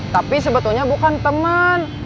tapi sebetulnya bukan temen